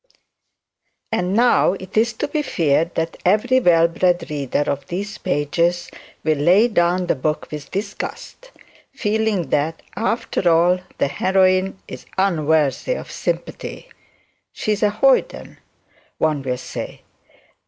And now it is to be feared that every well bred reader of these pages will lay down the book with disgust, feeling that, after all, the heroine is unworthy of sympathy. She is a hoyden, one will say.